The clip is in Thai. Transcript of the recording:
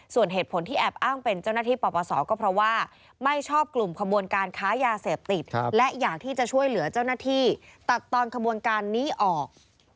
ส่วนเหตุผลที่แอบอ้างเป็นเจ้าหน้าที่ปปศก็เพราะว่าไม่ชอบกลุ่มขบวนการค้ายาเสพติดและอยากที่จะช่วยเหลือเจ้าหน้าที่ตัดตอนขบวนการนี้ออก